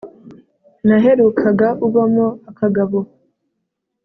naherukaga ubamo akagabo,